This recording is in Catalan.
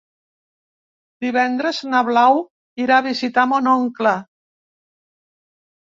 Divendres na Blau irà a visitar mon oncle.